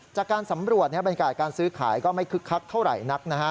จากการสำรวจเป็นการซื้อขายก็ไม่คึกคักเท่าไหร่นัก